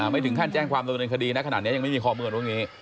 ไม่ถึงขั้นแจ้งความรู้ในคดีนะขนาดนี้ยังไม่มีข้อมืออะไรแบบนี้